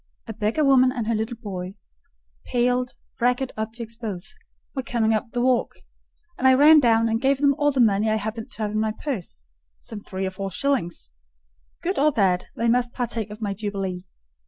A beggar woman and her little boy—pale, ragged objects both—were coming up the walk, and I ran down and gave them all the money I happened to have in my purse—some three or four shillings: good or bad, they must partake of my jubilee.